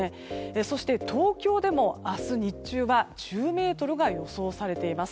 そして、東京でも明日日中は１０メートルが予想されています。